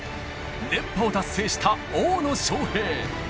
連覇を達成した大野将平。